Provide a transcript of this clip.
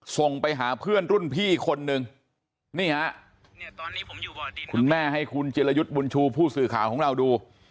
ส่งไปหาเพื่อนรุ่นพี่คนนึงนี่ฮะคุณแม่ให้คุณจิรยุทธ์บุญชูผู้สื่อข่าวของเราดู